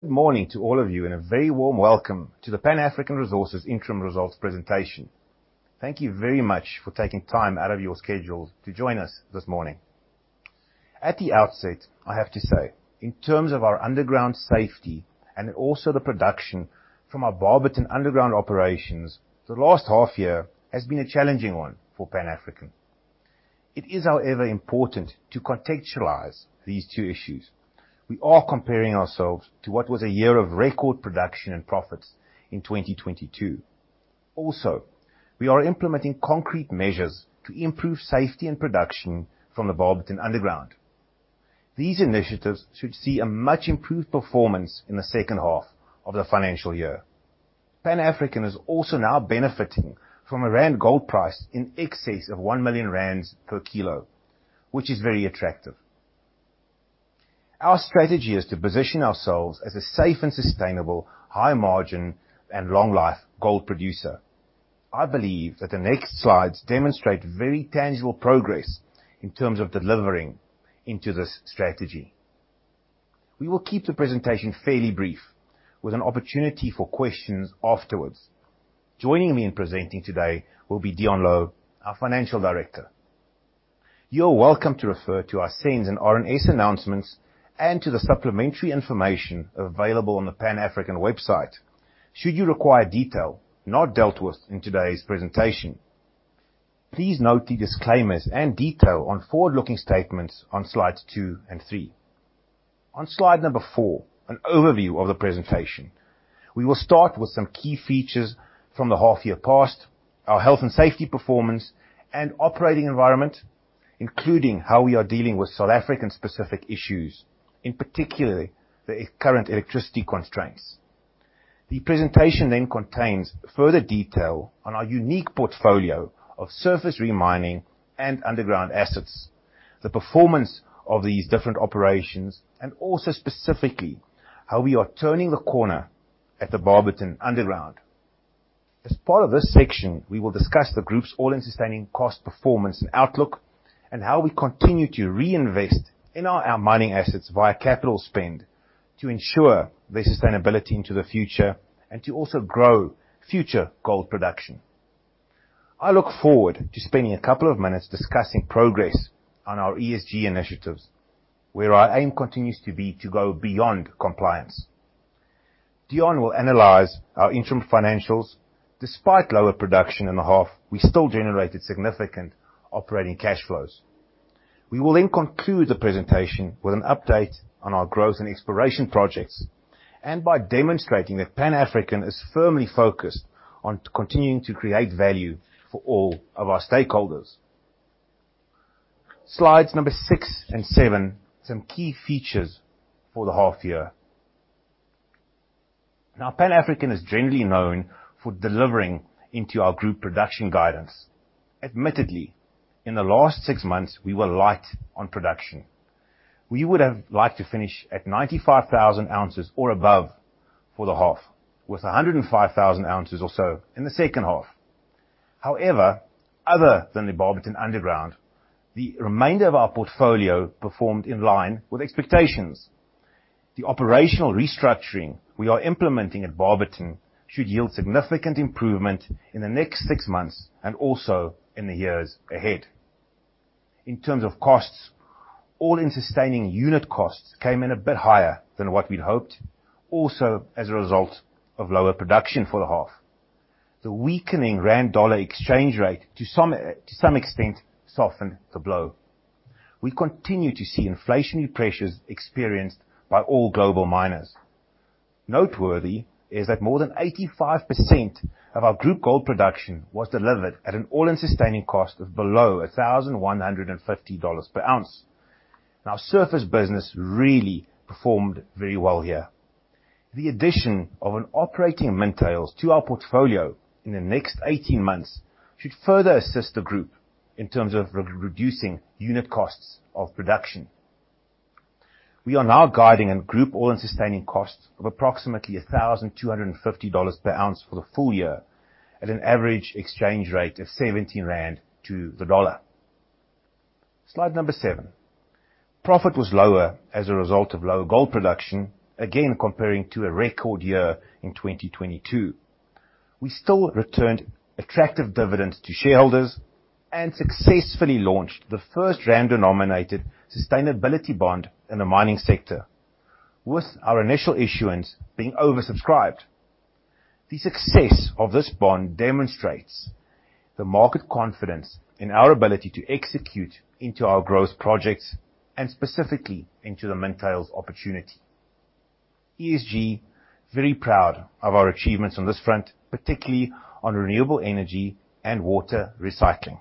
Good morning to all of you. A very warm welcome to the Pan African Resources interim results presentation. Thank you very much for taking time out of your schedule to join us this morning. At the outset, I have to say, in terms of our underground safety and also the production from our Barberton underground operations, the last half year has been a challenging one for Pan African. It is, however, important to contextualize these two issues. We are comparing ourselves to what was a year of record production and profits in 2022. We are implementing concrete measures to improve safety and production from the Barberton underground. These initiatives should see a much improved performance in the second half of the financial year. Pan African is also now benefiting from a rand gold price in excess of 1 million rand per kilo, which is very attractive. Our strategy is to position ourselves as a safe and sustainable high margin and long life gold producer. I believe that the next slides demonstrate very tangible progress in terms of delivering into this strategy. We will keep the presentation fairly brief, with an opportunity for questions afterwards. Joining me in presenting today will be Deon Louw, our financial director. You are welcome to refer to our SENS and RNS announcements and to the supplementary information available on the Pan African website should you require detail not dealt with in today's presentation. Please note the disclaimers and detail on forward-looking statements on slides two and three. On slide number four, an overview of the presentation. We will start with some key features from the half year past, our health and safety performance and operating environment, including how we are dealing with South African specific issues, in particular, the current electricity constraints. The presentation contains further detail on our unique portfolio of surface re-mining and underground assets, the performance of these different operations, and also specifically how we are turning the corner at the Barberton underground. As part of this section, we will discuss the group's all-in sustaining cost, performance and outlook, and how we continue to reinvest in our mining assets via capital spend to ensure their sustainability into the future and to also grow future gold production. I look forward to spending a couple of minutes discussing progress on our ESG initiatives, where our aim continues to be to go beyond compliance. Deon will analyze our interim financials. Despite lower production in the half, we still generated significant operating cash flows. We will conclude the presentation with an update on our growth and exploration projects and by demonstrating that Pan African is firmly focused on continuing to create value for all of our stakeholders. Slides number 6 and 7, some key features for the half year. Pan African is generally known for delivering into our group production guidance. Admittedly, in the last 6 months, we were light on production. We would have liked to finish at 95,000 ounces or above for the half, with 105,000 ounces or so in the second half. Other than the Barberton underground, the remainder of our portfolio performed in line with expectations. The operational restructuring we are implementing at Barberton should yield significant improvement in the next 6 months and also in the years ahead. In terms of costs, all-in sustaining unit costs came in a bit higher than what we'd hoped, also as a result of lower production for the half. The weakening rand dollar exchange rate to some extent softened the blow. We continue to see inflationary pressures experienced by all global miners. Noteworthy is that more than 85% of our group gold production was delivered at an all-in sustaining cost of below $1,150 per ounce. Surface business really performed very well here. The addition of an operating Mintails to our portfolio in the next 18 months should further assist the group in terms of re-reducing unit costs of production. We are now guiding a group all-in sustaining cost of approximately $1,250 per ounce for the full year at an average exchange rate of 17 rand to the dollar. Slide number 7. Profit was lower as a result of lower gold production, again, comparing to a record year in 2022. We still returned attractive dividends to shareholders and successfully launched the first ZAR-denominated sustainability bond in the mining sector, with our initial issuance being oversubscribed. The success of this bond demonstrates the market confidence in our ability to execute into our growth projects and specifically into the Mintails opportunity. ESG, very proud of our achievements on this front, particularly on renewable energy and water recycling.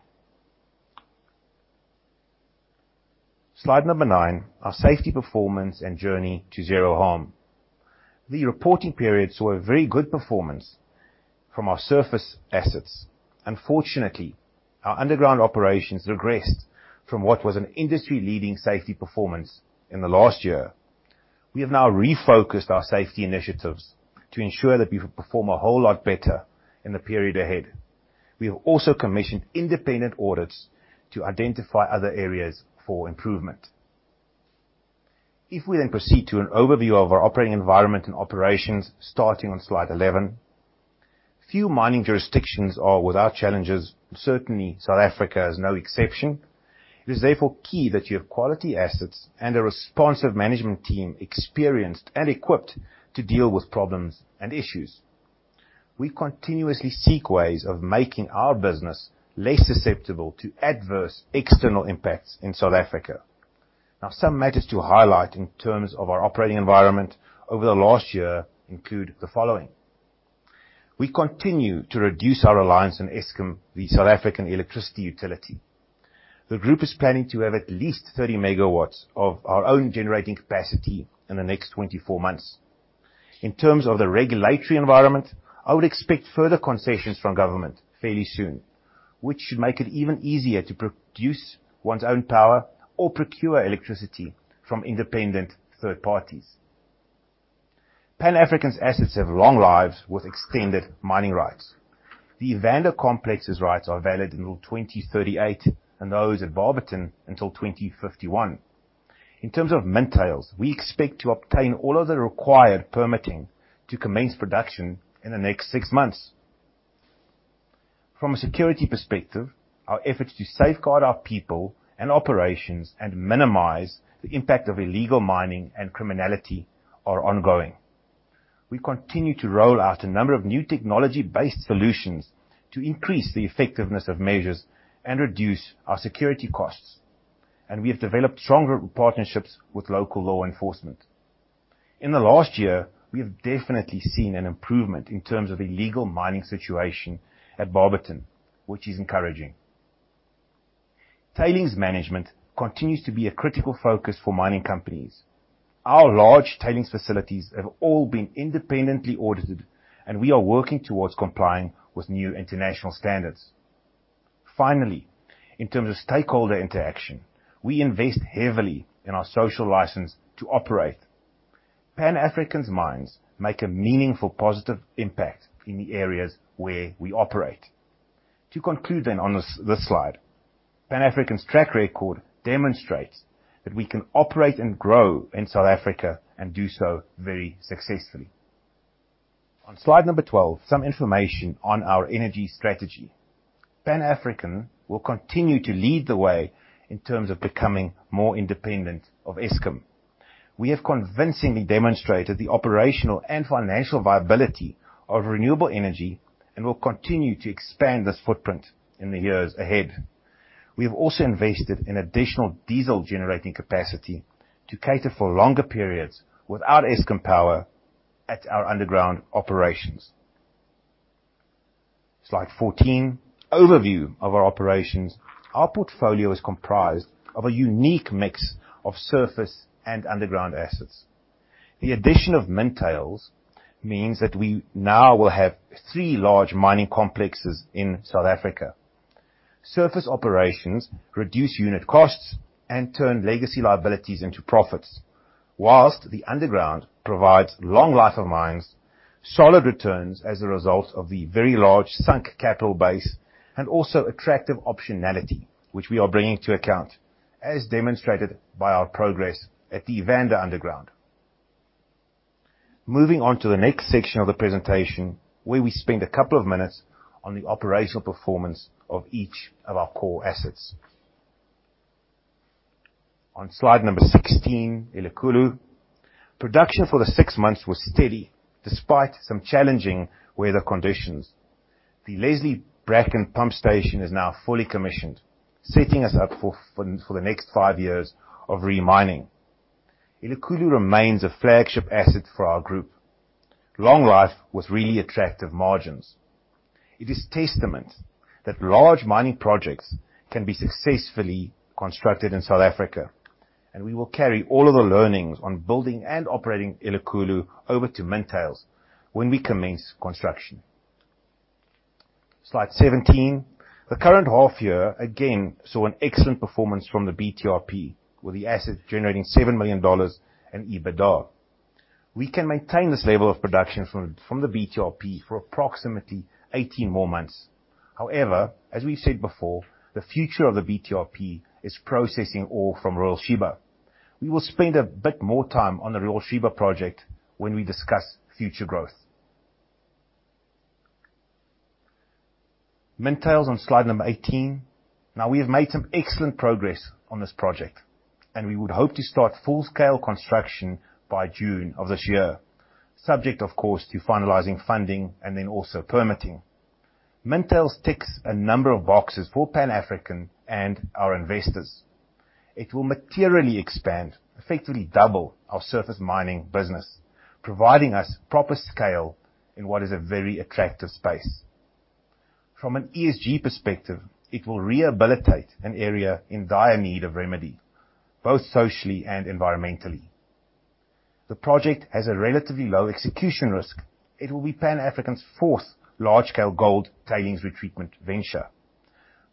Slide number 9, our safety performance and journey to zero harm. The reporting period saw a very good performance from our surface assets. Unfortunately, our underground operations regressed from what was an industry-leading safety performance in the last year. We have now refocused our safety initiatives to ensure that we perform a whole lot better in the period ahead. We have also commissioned independent audits to identify other areas for improvement. Proceed to an overview of our operating environment and operations starting on slide 11. Few mining jurisdictions are without challenges, certainly South Africa is no exception. It is therefore key that you have quality assets and a responsive management team, experienced and equipped to deal with problems and issues. We continuously seek ways of making our business less susceptible to adverse external impacts in South Africa. Some matters to highlight in terms of our operating environment over the last year include the following. We continue to reduce our reliance on Eskom, the South African electricity utility. The group is planning to have at least 30 MW of our own generating capacity in the next 24 months. In terms of the regulatory environment, I would expect further concessions from government fairly soon, which should make it even easier to produce one's own power or procure electricity from independent third parties. Pan African's assets have long lives with extended mining rights. The Evander Complex's rights are valid until 2038, and those at Barberton until 2051. In terms of Mintails, we expect to obtain all of the required permitting to commence production in the next 6 months. From a security perspective, our efforts to safeguard our people and operations and minimize the impact of illegal mining and criminality are ongoing. We continue to roll out a number of new technology-based solutions to increase the effectiveness of measures and reduce our security costs. We have developed stronger partnerships with local law enforcement. In the last year, we have definitely seen an improvement in terms of illegal mining situation at Barberton, which is encouraging. Tailings management continues to be a critical focus for mining companies. Our large tailings facilities have all been independently audited, and we are working towards complying with new international standards. Finally, in terms of stakeholder interaction, we invest heavily in our social license to operate. Pan African's mines make a meaningful positive impact in the areas where we operate. To conclude on this slide, Pan African's track record demonstrates that we can operate and grow in South Africa and do so very successfully. On slide number 12, some information on our energy strategy. Pan African will continue to lead the way in terms of becoming more independent of Eskom. We have convincingly demonstrated the operational and financial viability of renewable energy and will continue to expand this footprint in the years ahead. We have also invested in additional diesel-generating capacity to cater for longer periods without Eskom power at our underground operations. Slide 14, overview of our operations. Our portfolio is comprised of a unique mix of surface and underground assets. The addition of Mintails means that we now will have three large mining complexes in South Africa. Surface operations reduce unit costs and turn legacy liabilities into profits, whilst the underground provides long life of mines, solid returns as a result of the very large sunk capital base, and also attractive optionality, which we are bringing to account as demonstrated by our progress at the Evander underground. Moving on to the next section of the presentation, where we spend a couple of minutes on the operational performance of each of our core assets. On slide number 16, Elikhulu. Production for the six months was steady despite some challenging weather conditions. The Leslie Bracken pump station is now fully commissioned, setting us up for the next five years of re-mining. Elikhulu remains a flagship asset for our group. Long life with really attractive margins. It is testament that large mining projects can be successfully constructed in South Africa, and we will carry all of the learnings on building and operating Elikhulu over to Mintails when we commence construction. Slide 17, the current half year again saw an excellent performance from the BTRP, with the asset generating $7 million in EBITDA. We can maintain this level of production from the BTRP for approximately 18 more months. As we've said before, the future of the BTRP is processing ore from Royal Sheba. We will spend a bit more time on the Royal Sheba project when we discuss future growth. Mintails on slide number 18. We have made some excellent progress on this project, and we would hope to start full-scale construction by June of this year, subject of course to finalizing funding and then also permitting. Mintails ticks a number of boxes for Pan African and our investors. It will materially expand, effectively double our surface mining business, providing us proper scale in what is a very attractive space. From an ESG perspective, it will rehabilitate an area in dire need of remedy, both socially and environmentally. The project has a relatively low execution risk. It will be Pan African's 4th large-scale gold tailings retreatment venture.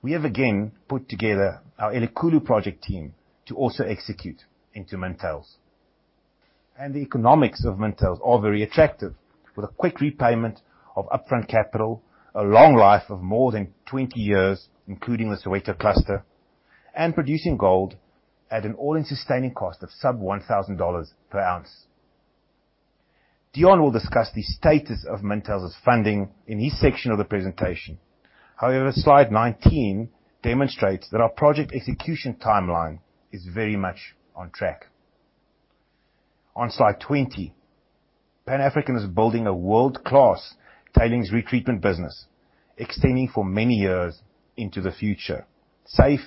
We have again put together our Elikhulu project team to also execute into Mintails. The economics of Mintails are very attractive, with a quick repayment of upfront capital, a long life of more than 20 years, including the Soweto cluster, and producing gold at an all-in sustaining cost of sub $1,000 per ounce. Dion will discuss the status of Mintails' funding in his section of the presentation. However, slide 19 demonstrates that our project execution timeline is very much on track. On slide 20, Pan African is building a world-class tailings retreatment business extending for many years into the future, safe,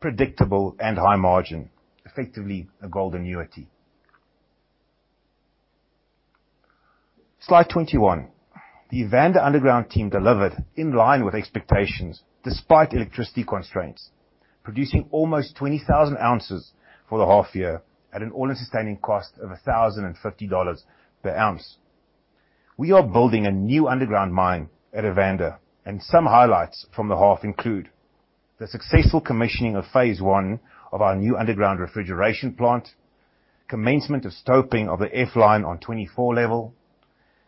predictable and high margin, effectively a gold annuity. Slide 21, the Evander underground team delivered in line with expectations despite electricity constraints, producing almost 20,000 ounces for the half year at an all-in sustaining cost of $1,050 per ounce. We are building a new underground mine at Evander, and some highlights from the half include the successful commissioning of phase 1 of our new underground refrigeration plant, commencement of stoping of the F line on 24 level,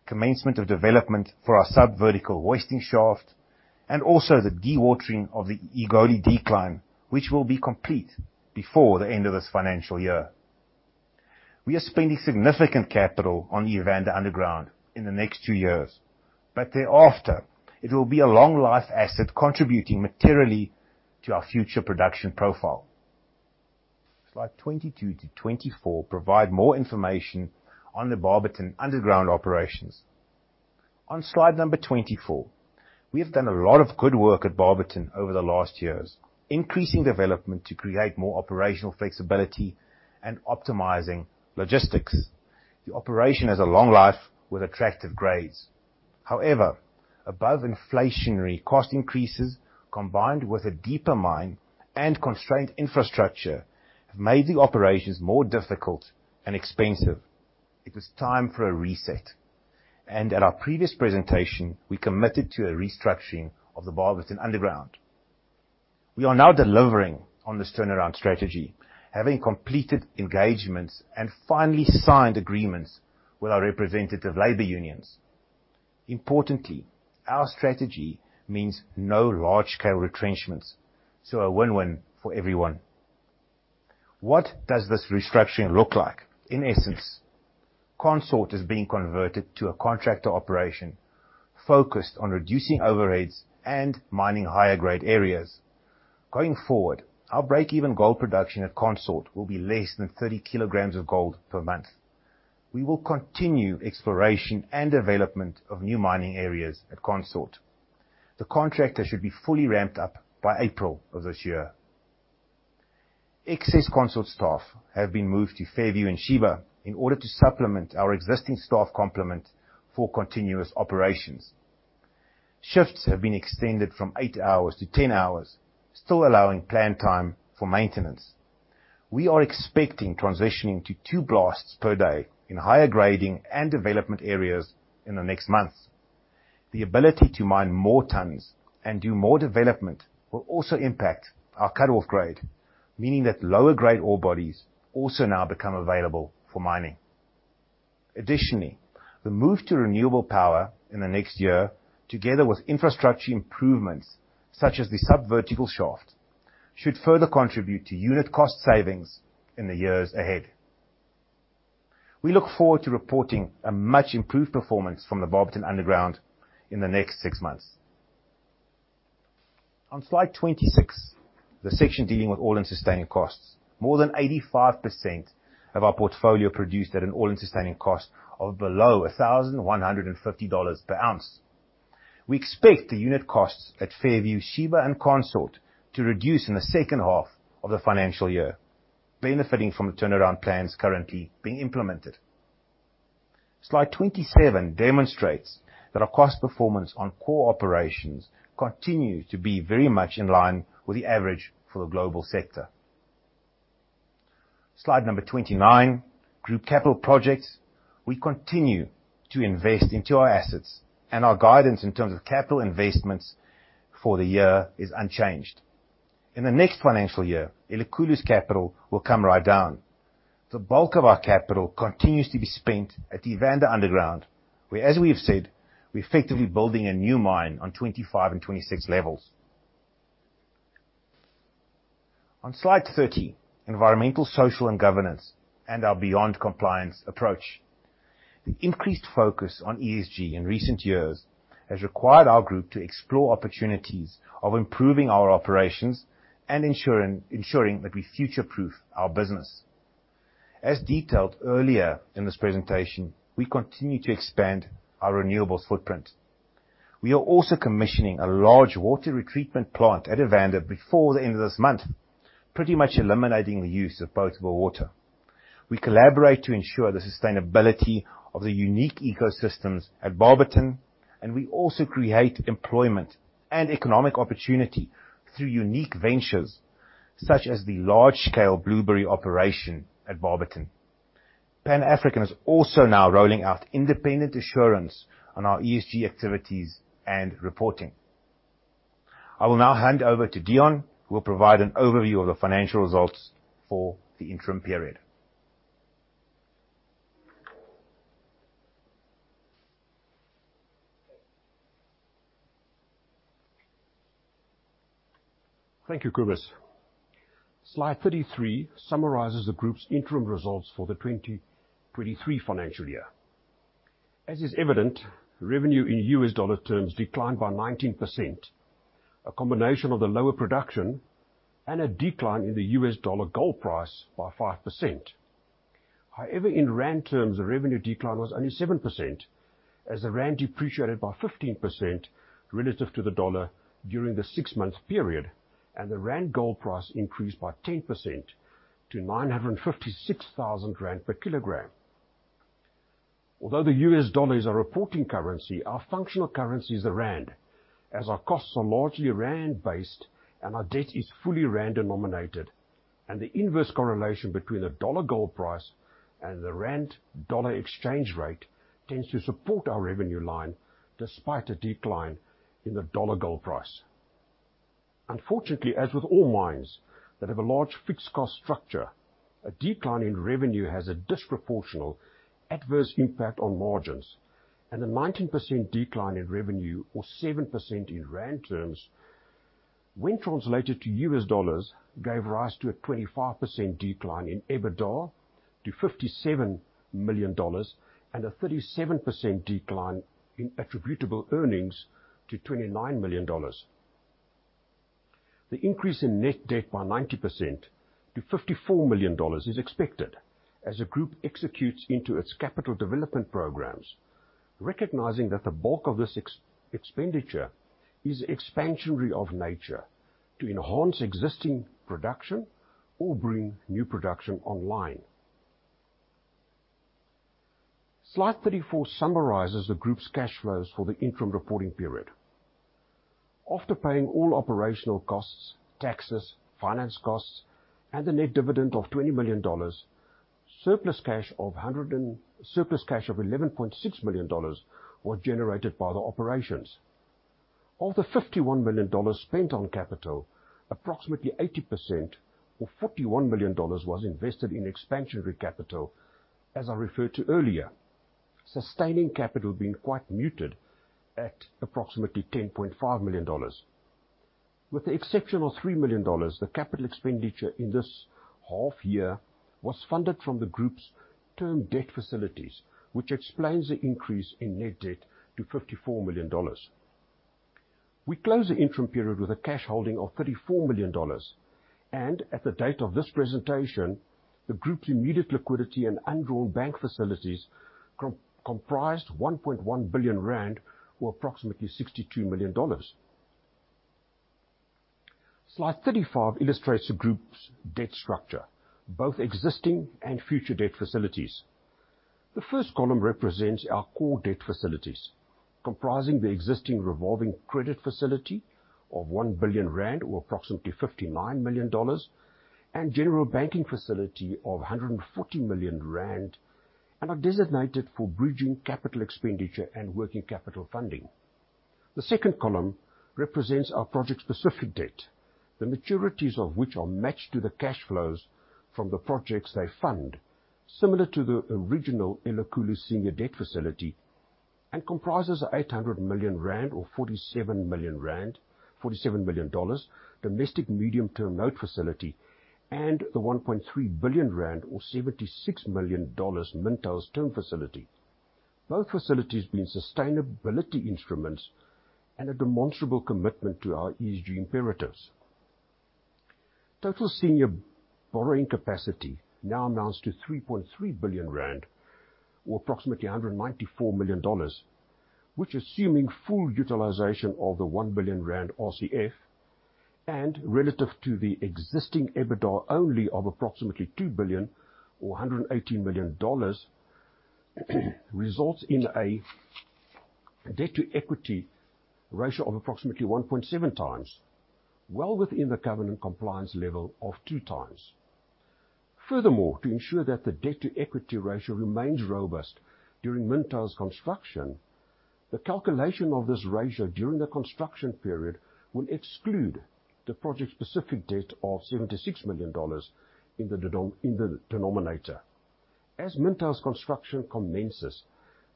commencement of development for our subvertical hoisting shaft, and also the dewatering of the Igoli decline, which will be complete before the end of this financial year. We are spending significant capital on Evander underground in the next two years, but thereafter it will be a long life asset contributing materially to our future production profile. Slide 22-24 provide more information on the Barberton underground operations. On slide number 24, we have done a lot of good work at Barberton over the last years, increasing development to create more operational flexibility and optimizing logistics. The operation has a long life with attractive grades. Above-inflationary cost increases, combined with a deeper mine and constrained infrastructure, have made the operations more difficult and expensive. It is time for a reset. At our previous presentation, we committed to a restructuring of the Barberton underground. We are now delivering on this turnaround strategy, having completed engagements and finally signed agreements with our representative labor unions. Importantly, our strategy means no large-scale retrenchments, a win-win for everyone. What does this restructuring look like? In essence, Consort is being converted to a contractor operation focused on reducing overheads and mining higher grade areas. Going forward, our break-even gold production at Consort will be less than 30 kilograms of gold per month. We will continue exploration and development of new mining areas at Consort. The contractor should be fully ramped up by April of this year. Excess Consort staff have been moved to Fairview and Sheba in order to supplement our existing staff complement for continuous operations. Shifts have been extended from 8 hours to 10 hours, still allowing plan time for maintenance. We are expecting transitioning to 2 blasts per day in higher grading and development areas in the next months. The ability to mine more tons and do more development will also impact our cut-off grade, meaning that lower grade ore bodies also now become available for mining. Additionally, the move to renewable power in the next year, together with infrastructure improvements such as the subvertical shaft, should further contribute to unit cost savings in the years ahead. We look forward to reporting a much improved performance from the Barberton underground in the next 6 months. Slide 26, the section dealing with all-in sustaining costs. More than 85% of our portfolio produced at an all-in sustaining cost of below $1,150 per ounce. We expect the unit costs at Fairview, Sheba and Consort to reduce in the second half of the financial year, benefiting from the turnaround plans currently being implemented. Slide 27 demonstrates that our cost performance on core operations continue to be very much in line with the average for the global sector. Slide number 29, group capital projects. We continue to invest into our assets. Our guidance in terms of capital investments for the year is unchanged. In the next financial year, Elikhulu's capital will come right down. The bulk of our capital continues to be spent at Evander underground, where, as we have said, we're effectively building a new mine on 25 and 26 levels. On slide 30, environmental, social and governance and our beyond compliance approach. The increased focus on ESG in recent years has required our group to explore opportunities of improving our operations and ensuring that we future-proof our business. As detailed earlier in this presentation, we continue to expand our renewable footprint. We are also commissioning a large water retreatment plant at Evander before the end of this month, pretty much eliminating the use of potable water. We collaborate to ensure the sustainability of the unique ecosystems at Barberton, and we also create employment and economic opportunity through unique ventures such as the large-scale blueberry operation at Barberton. Pan African is also now rolling out independent assurance on our ESG activities and reporting. I will now hand over to Deon, who will provide an overview of the financial results for the interim period. Thank you, Cobus. Slide 33 summarizes the group's interim results for the 2023 financial year. As is evident, revenue in US dollar terms declined by 19%, a combination of the lower production and a decline in the US dollar gold price by 5%. In rand terms, the revenue decline was only 7%, as the rand depreciated by 15% relative to the dollar during the six-month period. The rand gold price increased by 10% to 956,000 rand per kilogram. Although the US dollar is our reporting currency, our functional currency is the rand, as our costs are largely rand-based and our debt is fully rand denominated. The inverse correlation between the dollar gold price and the rand-dollar exchange rate tends to support our revenue line despite a decline in the dollar gold price. Unfortunately, as with all mines that have a large fixed cost structure, a decline in revenue has a disproportional adverse impact on margins. The 19% decline in revenue, or 7% in ZAR terms, when translated to US dollars, gave rise to a 25% decline in EBITDA to $57 million and a 37% decline in attributable earnings to $29 million. The increase in net debt by 90% to $54 million is expected as the group executes into its capital development programs, recognizing that the bulk of this expenditure is expansionary of nature to enhance existing production or bring new production online. Slide 34 summarizes the group's cash flows for the interim reporting period. After paying all operational costs, taxes, finance costs, and the net dividend of $20 million, surplus cash of. Surplus cash of $11.6 million was generated by the operations. Of the $51 million spent on capital, approximately 80% or $41 million was invested in expansionary capital, as I referred to earlier. Sustaining capital being quite muted at approximately $10.5 million. With the exception of $3 million, the capital expenditure in this half year was funded from the group's term debt facilities, which explains the increase in net debt to $54 million. We closed the interim period with a cash holding of $34 million. At the date of this presentation, the group's immediate liquidity and undrawn bank facilities comprised 1.1 billion rand, or approximately $62 million. Slide 35 illustrates the group's debt structure, both existing and future debt facilities. The first column represents our core debt facilities, comprising the existing revolving credit facility of 1 billion rand, or approximately $59 million, and general banking facility of 140 million rand, and are designated for bridging capital expenditure and working capital funding. The second column represents our project-specific debt, the maturities of which are matched to the cash flows from the projects they fund, similar to the original Elikhulu senior debt facility, and comprises 800 million rand, or $47 million, Domestic Medium Term Note facility, and the 1.3 billion rand or $76 million Mintails term facility. Both facilities being sustainability instruments and a demonstrable commitment to our ESG imperatives. Total senior borrowing capacity now amounts to 3.3 billion rand, or approximately $194 million, which, assuming full utilization of the 1 billion rand RCF, and relative to the existing EBITDA only of approximately 2 billion or $180 million, results in a debt-to-equity ratio of approximately 1.7 times, well within the covenant compliance level of 2 times. Furthermore, to ensure that the debt-to-equity ratio remains robust during Mintails construction, the calculation of this ratio during the construction period will exclude the project-specific debt of $76 million in the denominator. As Mintails construction commences,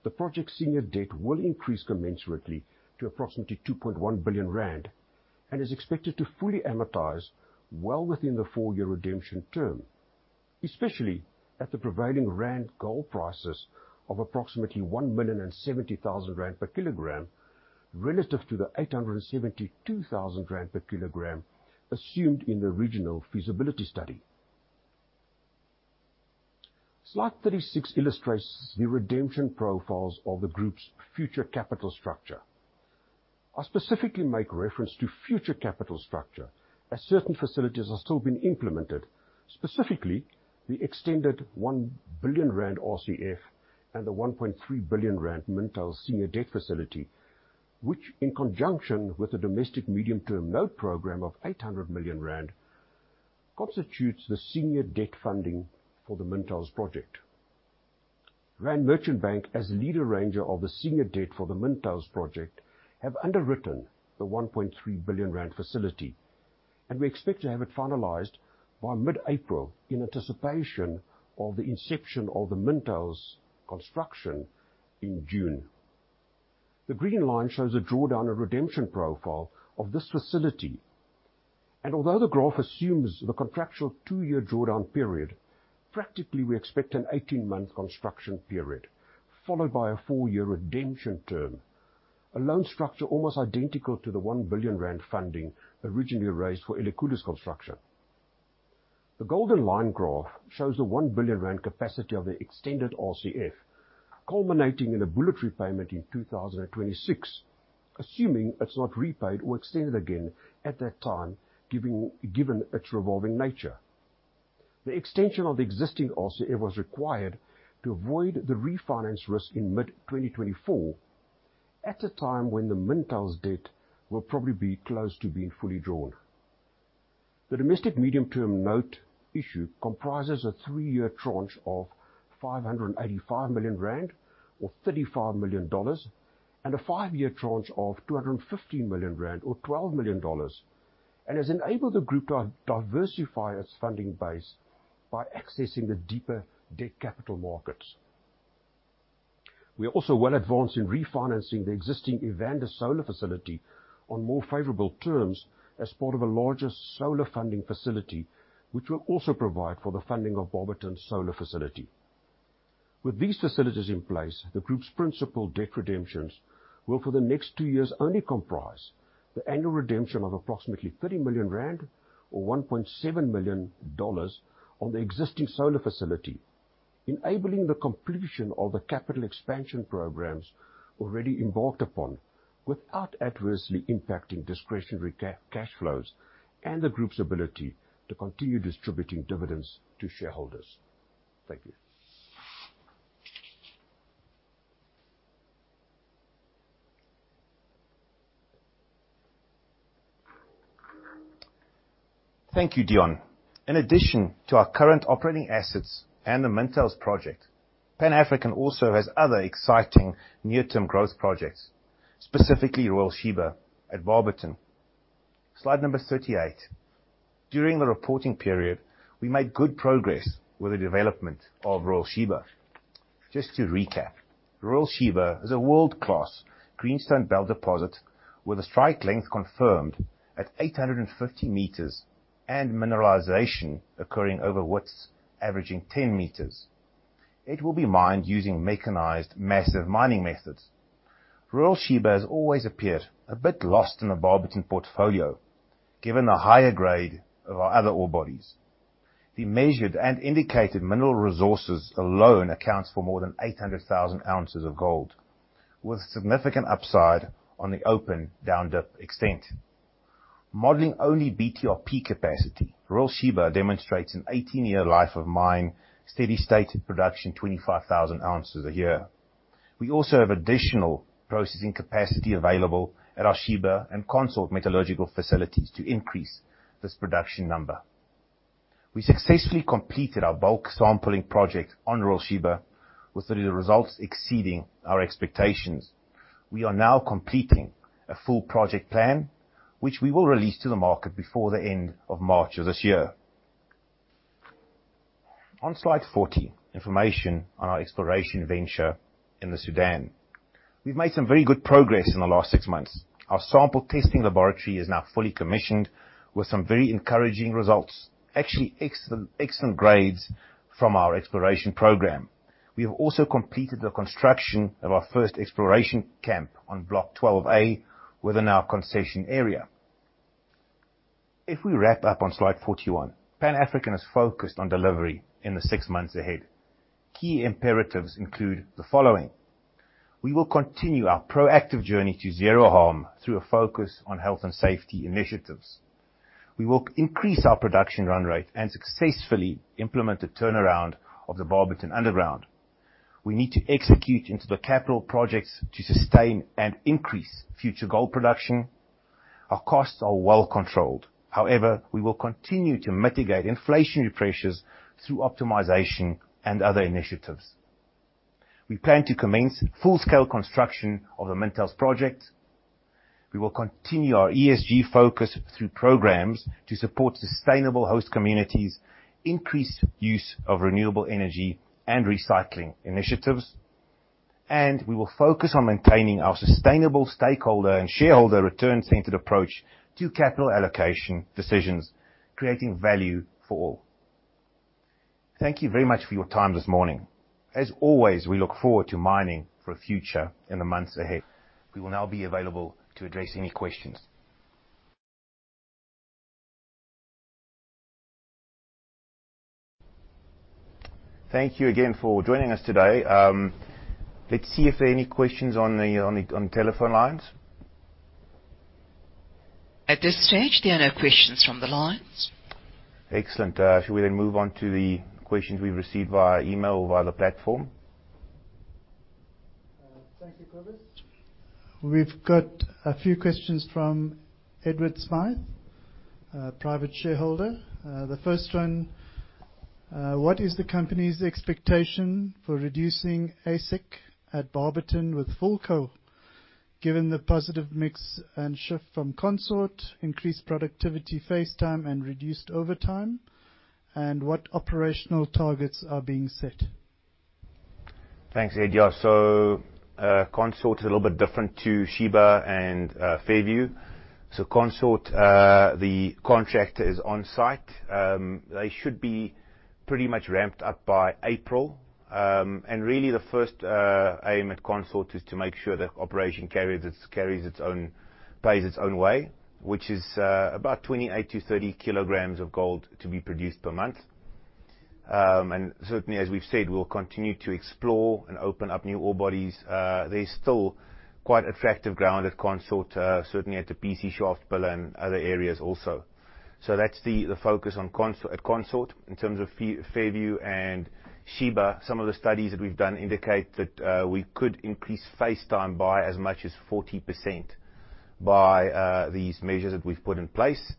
the project senior debt will increase commensurately to approximately 2.1 billion rand and is expected to fully amortize well within the four-year redemption term, especially at the prevailing rand gold prices of approximately 1,070,000 rand per kilogram relative to the 872,000 rand per kilogram assumed in the regional feasibility study. Slide 36 illustrates the redemption profiles of the group's future capital structure. I specifically make reference to future capital structure as certain facilities are still being implemented, specifically the extended 1 billion rand RCF and the 1.3 billion rand Mintails senior debt facility, which, in conjunction with the Domestic Medium Term Note program of 800 million rand, constitutes the senior debt funding for the Mintails project. Rand Merchant Bank as leader arranger of the senior debt for the Mintails project have underwritten the 1.3 billion rand facility, and we expect to have it finalized by mid-April in anticipation of the inception of the Mintails construction in June. The green line shows a drawdown and redemption profile of this facility. Although the graph assumes the contractual 2-year drawdown period, practically, we expect an 18-month construction period, followed by a 4-year redemption term. A loan structure almost identical to the 1 billion rand funding originally raised for Elikhulu construction. The golden line graph shows the 1 billion rand capacity of the extended RCF, culminating in a bullet repayment in 2026, assuming it's not repaid or extended again at that time, given its revolving nature. The extension of the existing RCF was required to avoid the refinance risk in mid-2024, at a time when the Mintails debt will probably be close to being fully drawn. The Domestic Medium Term Note issue comprises a 3-year tranche of 585 million rand or $35 million, and a 5-year tranche of 250 million rand or $12 million, and has enabled the group to diversify its funding base by accessing the deeper debt capital markets. We are also well advanced in refinancing the existing Evander solar facility on more favorable terms as part of a larger solar funding facility, which will provide for the funding of Barberton solar facility. With these facilities in place, the group's principal debt redemptions will, for the next two years, only comprise the annual redemption of approximately 30 million rand or $1.7 million on the existing solar facility, enabling the completion of the capital expansion programs already embarked upon without adversely impacting discretionary cash flows and the group's ability to continue distributing dividends to shareholders. Thank you. Thank you, Dion. In addition to our current operating assets and the Mintails project, Pan African also has other exciting near-term growth projects, specifically Royal Sheba at Barberton. Slide number 38. During the reporting period, we made good progress with the development of Royal Sheba. Just to recap, Royal Sheba is a world-class greenstone belt deposit with a strike length confirmed at 850 meters and mineralization occurring over widths averaging 10 meters. It will be mined using mechanized massive mining methods. Royal Sheba has always appeared a bit lost in the Barberton portfolio, given the higher grade of our other ore bodies. The measured and indicated mineral resources alone accounts for more than 800,000 ounces of gold, with significant upside on the open down-dip extent. Modeling only BTRP capacity, Royal Sheba demonstrates an 18-year life of mine, steady stated production, 25,000 ounces a year. We also have additional processing capacity available at our Sheba and consort metallurgical facilities to increase this production number. We successfully completed our bulk sampling project on Royal Sheba, with the results exceeding our expectations. We are now completing a full project plan, which we will release to the market before the end of March of this year. On slide 40, information on our exploration venture in the Sudan. We've made some very good progress in the last six months. Our sample testing laboratory is now fully commissioned with some very encouraging results. Actually, excellent grades from our exploration program. We have also completed the construction of our first exploration camp on block 12 A within our concession area. If we wrap up on slide 41, Pan African is focused on delivery in the six months ahead. Key imperatives include the following. We will continue our proactive journey to zero harm through a focus on health and safety initiatives. We will increase our production run rate and successfully implement the turnaround of the Barberton underground. We need to execute into the capital projects to sustain and increase future gold production. Our costs are well controlled. However, we will continue to mitigate inflationary pressures through optimization and other initiatives. We plan to commence full-scale construction of the Mintails project. We will continue our ESG focus through programs to support sustainable host communities, increase use of renewable energy and recycling initiatives. We will focus on maintaining our sustainable stakeholder and shareholder return-centered approach to capital allocation decisions, creating value for all. Thank you very much for your time this morning. As always, we look forward to mining for a future in the months ahead. We will now be available to address any questions. Thank you again for joining us today. Let's see if there are any questions on the telephone lines. At this stage, there are no questions from the lines. Excellent. Should we move on to the questions we've received via email or via the platform? Thank you, Cobus. We've got a few questions from Edward Smyth, a private shareholder. The first one, what is the company's expectation for reducing AISC at Barberton with Fulco, given the positive mix and shift from Consort, increased productivity face time and reduced overtime, and what operational targets are being set? Thanks, Ed. Consort is a little bit different to Sheba and Fairview. Consort, the contract is on-site. They should be pretty much ramped up by April. The first aim at Consort is to make sure the operation pays its own way, which is about 28-30 kilograms of gold to be produced per month. As we've said, we'll continue to explore and open up new ore bodies. There's still quite attractive ground at Consort, certainly at the BC shaft pillar and other areas also. That's the focus on Consort, at Consort. In terms of Fairview and Sheba, some of the studies that we've done indicate that we could increase face time by as much as 40% by these measures that we've put in place.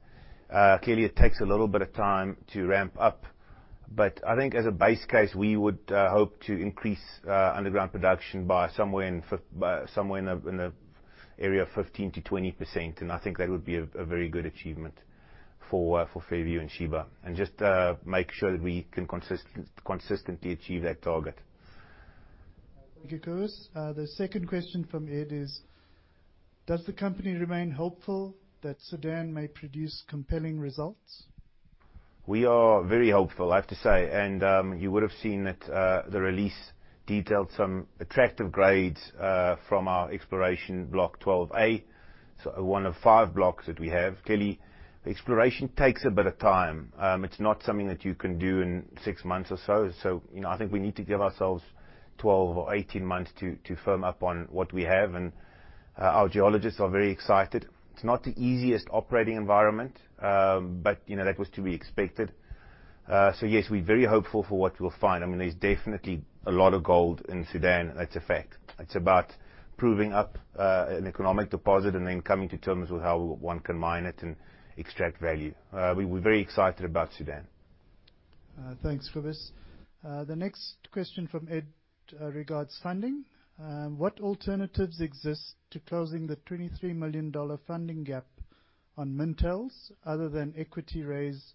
Clearly, it takes a little bit of time to ramp up, but I think as a base case, we would hope to increase underground production by somewhere in the area of 15%-20%. I think that would be a very good achievement for Fairview and Sheba. Just make sure that we can consistently achieve that target. Thank you, Cobus. The second question from Ed is: Does the company remain hopeful that Sudan may produce compelling results? We are very hopeful, I have to say. You would have seen that the release detailed some attractive grades from our exploration block 12A, so 1 of 5 blocks that we have. Clearly, exploration takes a bit of time. It's not something that you can do in 6 months or so. You know, I think we need to give ourselves 12 or 18 months to firm up on what we have. Our geologists are very excited. It's not the easiest operating environment, but, you know, that was to be expected. Yes, we're very hopeful for what we'll find. I mean, there's definitely a lot of gold in Sudan. That's a fact. It's about proving up an economic deposit and then coming to terms with how one can mine it and extract value. We're very excited about Sudan. Thanks, Cobus. The next question from Ed regards funding. What alternatives exist to closing the $23 million funding gap on Mintails other than equity raise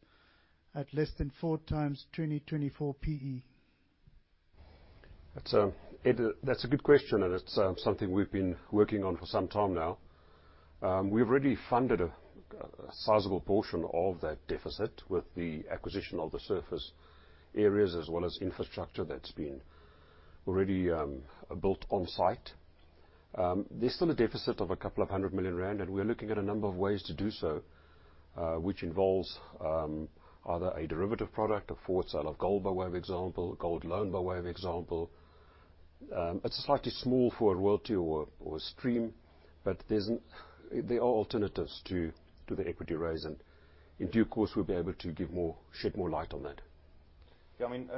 at less than 4 times 2024 PE? That's, Ed, that's a good question, and it's something we've been working on for some time now. We've already funded a sizable portion of that deficit with the acquisition of the surface areas as well as infrastructure that's been already built on-site. There's still a deficit of a couple of hundred million ZAR, and we are looking at a number of ways to do so, which involves either a derivative product, a forward sale of gold, by way of example, gold loan, by way of example. It's slightly small for a royalty or a stream, but there are alternatives to the equity raise, and in due course, we'll be able to give more shed more light on that. Yeah. I mean,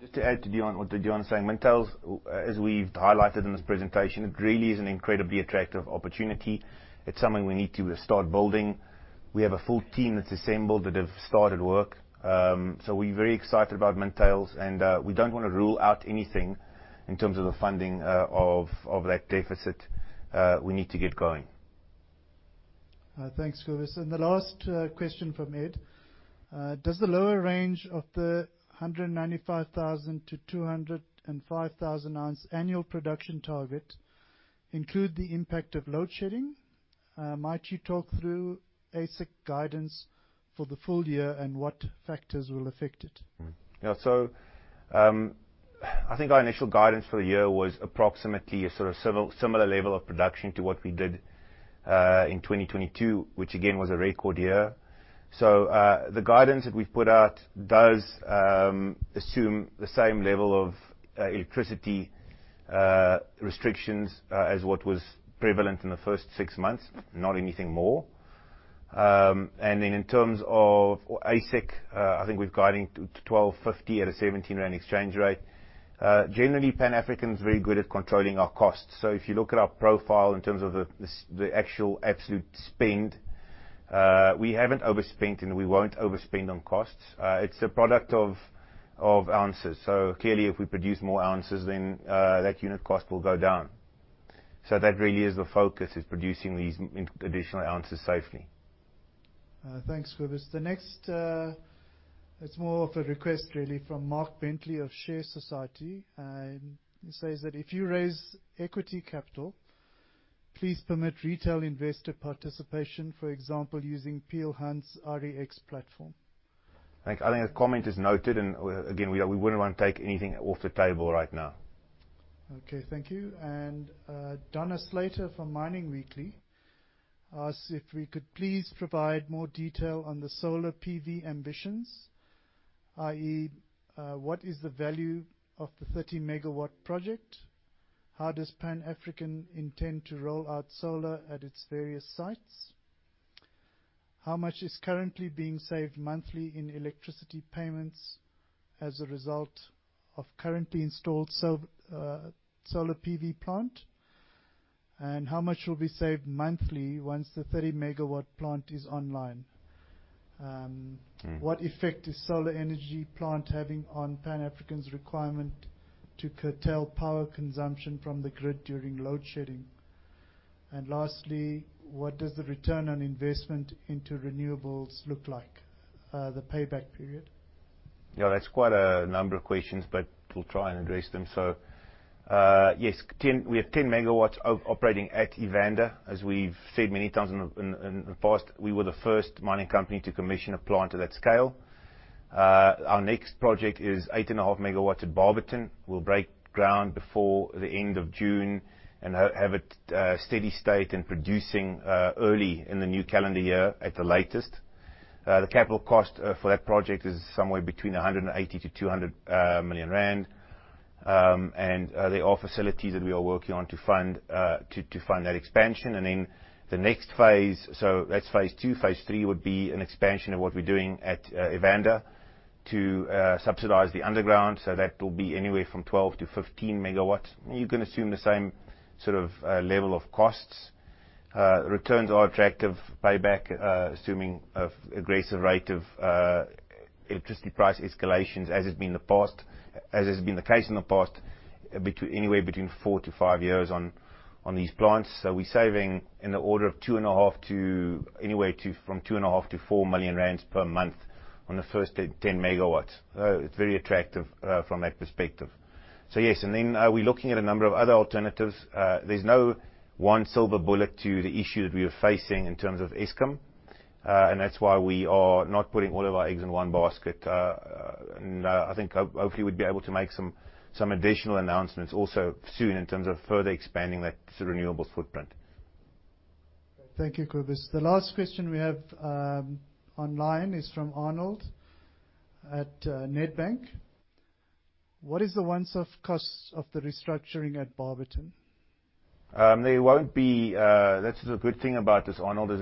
Just to add to what Deon, what that Deon's saying, Mintails, as we've highlighted in this presentation, it really is an incredibly attractive opportunity. It's something we need to start building. We have a full team that's assembled that have started work. We're very excited about Mintails, we don't wanna rule out anything in terms of the funding of that deficit. We need to get going. Thanks, Cobus. The last question from Ed. Does the lower range of the 195,000 to 205,000 ounce annual production target include the impact of load shedding? Might you talk through AISC guidance for the full year and what factors will affect it? I think our initial guidance for the year was approximately a sort of similar level of production to what we did in 2022, which again, was a record year. The guidance that we've put out does assume the same level of electricity restrictions as what was prevalent in the first 6 months, not anything more. And then in terms of AISC, I think we're guiding to $1,250 at a 17 rand exchange rate. Generally, Pan African is very good at controlling our costs. If you look at our profile in terms of the actual absolute spend, we haven't overspent, and we won't overspend on costs. It's a product of ounces. Clearly, if we produce more ounces, then that unit cost will go down. That really is the focus, is producing these additional ounces safely. Thanks, Cobus. The next, it's more of a request really from Mark Bentley of ShareSoc. He says that, "If you raise equity capital, please permit retail investor participation, for example, using Peel Hunt's REX platform. I think that comment is noted. Again, we wouldn't wanna take anything off the table right now. Okay, thank you. Donna Slater from Mining Weekly asks if we could please provide more detail on the solar PV ambitions, i.e., what is the value of the 30-megawatt project? How does Pan African intend to roll out solar at its various sites? How much is currently being saved monthly in electricity payments as a result of currently installed solar PV plant? How much will be saved monthly once the 30-megawatt plant is online? Mm-hmm. What effect is solar energy plant having on Pan African's requirement to curtail power consumption from the grid during load shedding? Lastly, what does the return on investment into renewables look like, the payback period? Yeah, that's quite a number of questions, but we'll try and address them. Yes. We have 10 megawatts of operating at Evander. As we've said many times in the past, we were the first mining company to commission a plant of that scale. Our next project is 8.5 megawatts at Barberton, we'll break ground before the end of June and have it steady state and producing early in the new calendar year at the latest. The capital cost for that project is somewhere between 180 million-200 million rand. And there are facilities that we are working on to fund that expansion. The next phase. That's phase two. Phase three would be an expansion of what we're doing at Evander to subsidize the underground, that will be anywhere from 12-15 megawatts. You can assume the same sort of level of costs. Returns are attractive. Payback, assuming an aggressive rate of electricity price escalations as has been the case in the past, anywhere between 4-5 years on these plants. We're saving in the order of anywhere from 2.5 to 4 million rand per month on the first 10 megawatts. It's very attractive from that perspective. Yes. Then we're looking at a number of other alternatives. There's no one silver bullet to the issue that we are facing in terms of Eskom. That's why we are not putting all of our eggs in one basket. I think hopefully we'd be able to make some additional announcements also soon in terms of further expanding that renewable footprint. Thank you, Kobus. The last question we have online is from Arnold van Graan at Nedbank. What is the once-off costs of the restructuring at Barberton? There won't be. That's the good thing about this, Arnold van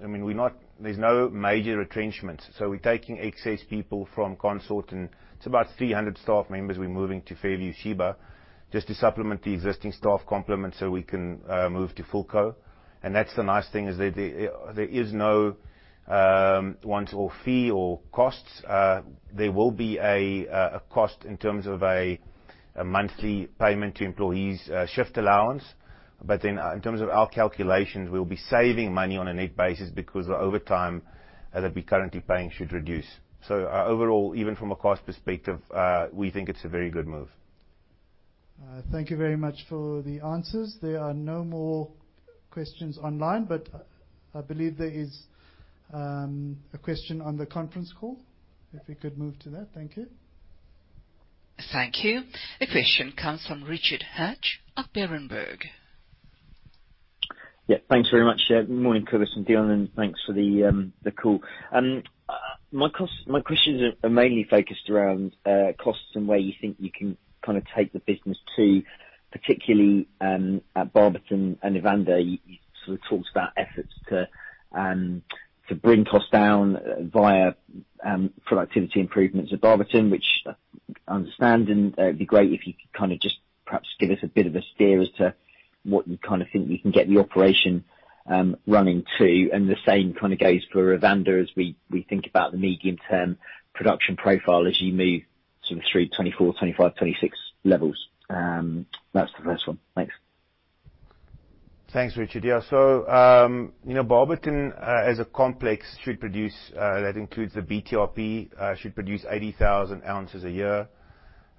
Graan, is that there's no major retrenchment, so we're taking excess people from Consort, and it's about 300 staff members we're moving to Fairview Sheba just to supplement the existing staff complement so we can move to full co. That's the nice thing, is that there is no once-off fee or costs. There will be a cost in terms of a monthly payment to employees, shift allowance. In terms of our calculations, we'll be saving money on a net basis because the overtime that we're currently paying should reduce. Overall, even from a cost perspective, we think it's a very good move. Thank you very much for the answers. There are no more questions online. I believe there is a question on the conference call, if we could move to that. Thank you. Thank you. The question comes from Richard Hatch of Berenberg. Yeah, thanks very much. Yeah. Morning, Kobus and Deon, and thanks for the call. My questions are mainly focused around costs and where you think you can kinda take the business to, particularly, at Barberton and Evander. You sort of talked about efforts to bring costs down via productivity improvements at Barberton, which I understand, and it'd be great if you could kinda just perhaps give us a bit of a steer as to what you kinda think you can get the operation running to. The same kinda goes for Evander, as we think about the medium-term production profile as you move sort of through 2024, 2025, 2026 levels. That's the first one. Thanks. Thanks, Richard. Yeah. You know, Barberton as a complex should produce that includes the BTRP, should produce 80,000 ounces a year.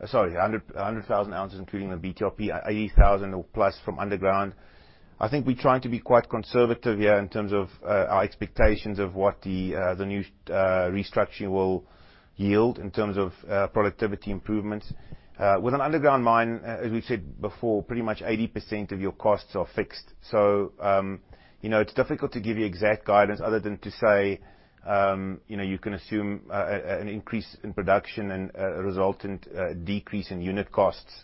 Sorry, 100,000 ounces, including the BTRP, 80,000 or plus from underground. I think we're trying to be quite conservative here in terms of our expectations of what the new restructuring will yield in terms of productivity improvements. With an underground mine, as we've said before, pretty much 80% of your costs are fixed. You know, it's difficult to give you exact guidance other than to say, you know, you can assume an increase in production and a resultant decrease in unit costs.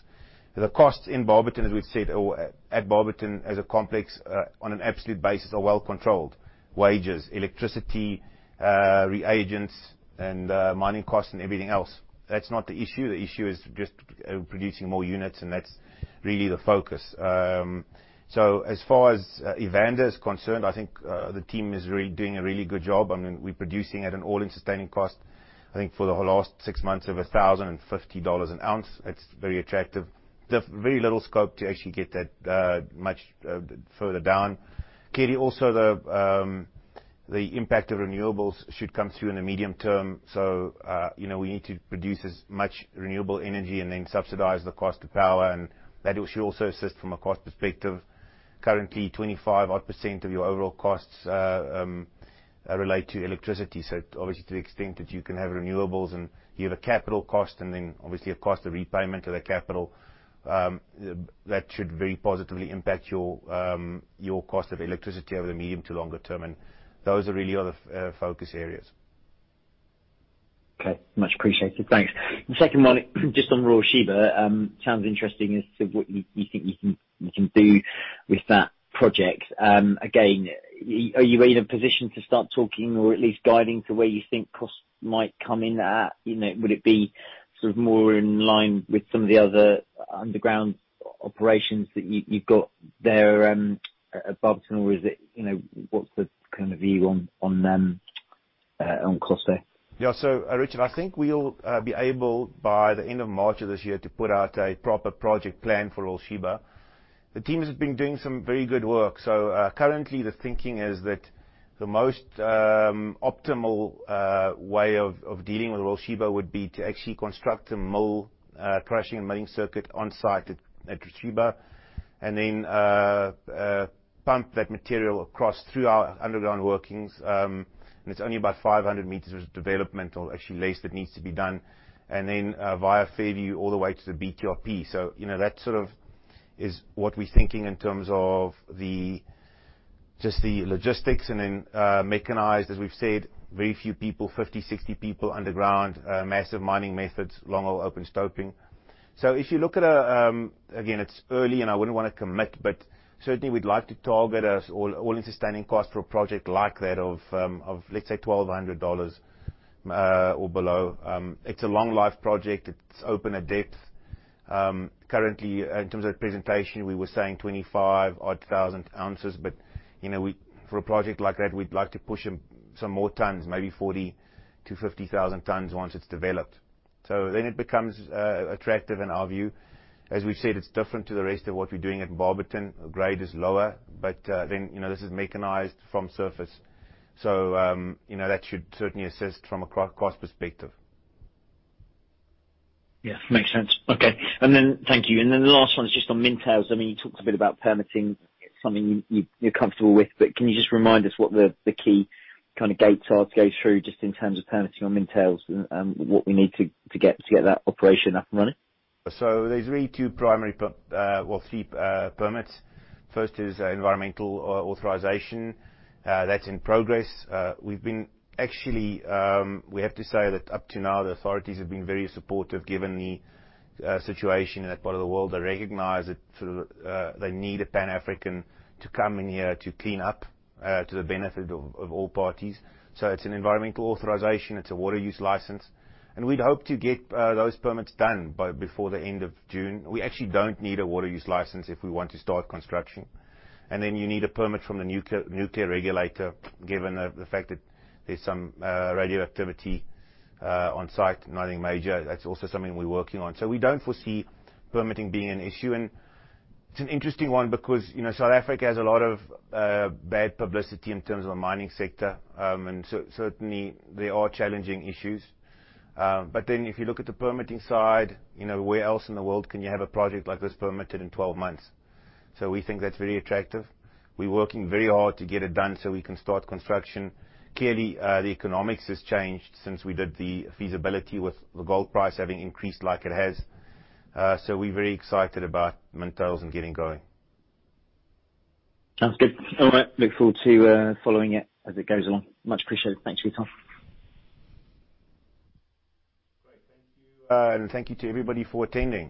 The costs in Barberton, as we've said, or at Barberton as a complex, on an absolute basis, are well controlled. Wages, electricity, reagents and mining costs and everything else. That's not the issue. The issue is just producing more units and that's really the focus. As far as Evander is concerned, I think, the team is really doing a really good job. I mean, we're producing at an all-in sustaining cost, I think for the whole last six months of $1,050 an ounce. It's very attractive. There's very little scope to actually get that much further down. Clearly also, the impact of renewables should come through in the medium term, you know, we need to produce as much renewable energy and then subsidize the cost of power, and that will sure also assist from a cost perspective. Currently, 25% odd of your overall costs relate to electricity. Obviously, to the extent that you can have renewables and you have a capital cost and then obviously a cost of repayment of that capital, that should very positively impact your cost of electricity over the medium to longer term. Those are really are the focus areas. Okay. Much appreciated. Thanks. The second one, just on Royal Sheba. Sounds interesting as to what you think you can do with that project. Again, are you in a position to start talking or at least guiding to where you think costs might come in at? You know, would it be sort of more in line with some of the other underground operations that you've got there, above ground? Is it, you know, what's the kind of view on them on cost there? Yeah. Richard, I think we'll be able by the end of March of this year to put out a proper project plan for Royal Sheba. The teams have been doing some very good work. Currently the thinking is that the most optimal way of dealing with Royal Sheba would be to actually construct a mill, crushing and milling circuit on site at Sheba, and then pump that material across through our underground workings. It's only about 500 meters of development or actually lace that needs to be done. Then via Fairview all the way to the BTRP. You know, that sort of is what we're thinking in terms of the just the logistics and then mechanized, as we've said, very few people, 50, 60 people underground, massive mining methods, long hole open stoping. If you look at a, again, it's early and I wouldn't wanna commit, but certainly we'd like to target a all-in sustaining cost for a project like that of let's say $1,200 or below. It's a long life project. It's open a depth. Currently in terms of presentation, we were saying 25,000 odd ounces, but, you know, for a project like that, we'd like to push some more tons, maybe 40,000-50,000 tons once it's developed. It then becomes attractive in our view. As we've said, it's different to the rest of what we're doing at Barberton. Grade is lower, you know, this is mechanized from surface. You know, that should certainly assist from a cost perspective. Yeah. Makes sense. Okay. Thank you. The last one is just on Mintails. I mean, you talked a bit about permitting. It's something you're comfortable with, but can you just remind us what the key kinda gates are to go through just in terms of permitting on Mintails and what we need to get that operation up and running? There's really two primary, well, three permits. First is environmental authorisation. That's in progress. We've actually, we have to say that up to now, the authorities have been very supportive, given the situation in that part of the world. They recognize that sort of, they need a Pan African to come in here to clean up, to the benefit of all parties. It's an environmental authorisation, it's a water use licence, and we'd hope to get those permits done by before the end of June. We actually don't need a water use licence if we want to start construction. You need a permit from the National Nuclear Regulator, given the fact that there's some radioactivity on site, nothing major. That's also something we're working on. We don't foresee permitting being an issue. It's an interesting one because, you know, South Africa has a lot of bad publicity in terms of the mining sector. Certainly there are challenging issues. If you look at the permitting side, you know, where else in the world can you have a project like this permitted in 12 months? We think that's very attractive. We're working very hard to get it done so we can start construction. Clearly, the economics has changed since we did the feasibility with the gold price having increased like it has. We're very excited about Mintails and getting going. Sounds good. All right. Look forward to following it as it goes along. Much appreciated. Thanks, Richard. Great. Thank you. Thank you to everybody for attending.